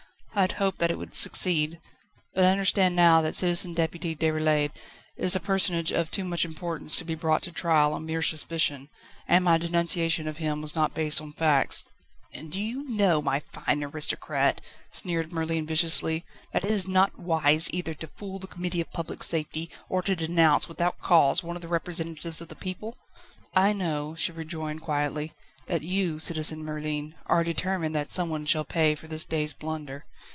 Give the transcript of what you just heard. I had hoped that it would succeed. But I understand now that Citizen Deputy Déroulède is a personage of too much importance to be brought to trial on mere suspicion, and my denunciation of him was not based on facts." "And do you know, my fine aristocrat," sneered Merlin viciously, "that it is not wise either to fool the Committee of Public Safety, or to denounce without cause one of the representatives of the people?" "I know," she rejoined quietly, "that you, Citizen Merlin, are determined that someone shall pay for this day's blunder.